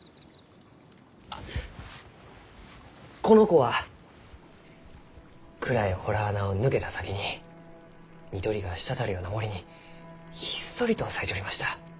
あこの子は暗い洞穴を抜けた先に緑が滴るような森にひっそりと咲いちょりました。